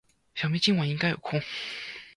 小明今晚应该有空。